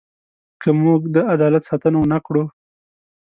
که موږ د عدالت ساتنه ونه کړو.